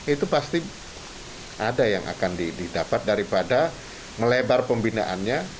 itu pasti ada yang akan didapat daripada melebar pembinaannya